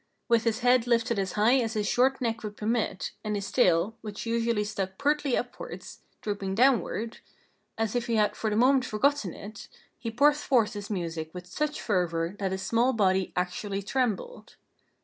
With his head lifted as high as his short neck would permit, and his tail (which usually stuck pertly upwards) drooping downward, as if he had for the moment forgotten it, he poured forth his music with such fervor that his small body actually trembled.